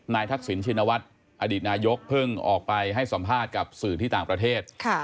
ทักษิณชินวัฒน์อดีตนายกเพิ่งออกไปให้สัมภาษณ์กับสื่อที่ต่างประเทศ